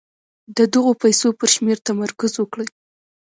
د دغو پيسو پر شمېر تمرکز وکړئ.